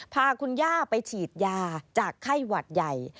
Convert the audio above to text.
พาคุณย่าไปฉีดยาจากไข้หวัดใหญ่